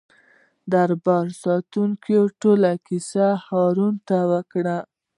د دربار ساتونکو ټوله کیسه هارون ته وکړه.